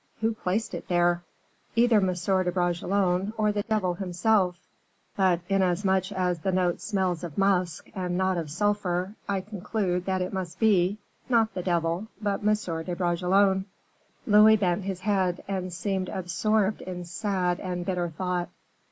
"Who placed it there?" "Either M. de Bragelonne, or the devil himself; but, inasmuch as the note smells of musk and not of sulphur, I conclude that it must be, not the devil, but M. de Bragelonne." Louis bent his head, and seemed absorbed in sad and bitter thought.